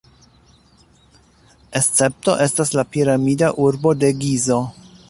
Escepto estas la piramida urbo de Gizo.